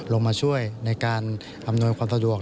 ลงมาช่วยในการอำนวยความสะดวก